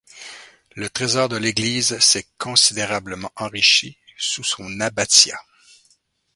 Le trésor de l'église s’est considérablement enrichi sous son abbatiat.